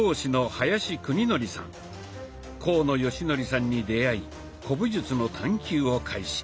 甲野善紀さんに出会い古武術の探究を開始。